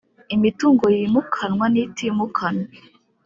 Imitungo yimukanwa n itimukanwa